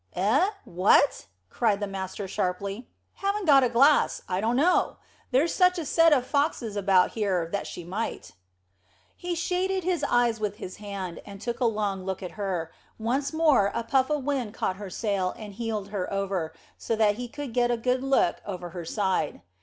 "Eh? What?" cried the master sharply. "Haven't got a glass. I dunno. They're such a set of foxes about here that she might." He shaded his eyes with his hand, and took a long look at her, and once more a puff of wind caught her sail and heeled her over, so that he could get a good look over her side.